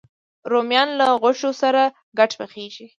رومیان له غوښو سره ګډ پخېږي